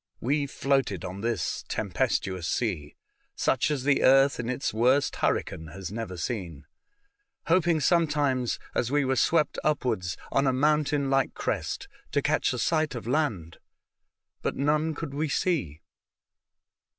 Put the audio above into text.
We floated on this tempestuous sea, such as the earth in its worst hurricane has never seen, hoping some times, as we were swept upwards on a moun tain like crest, to catch a sight of land, but none could we see.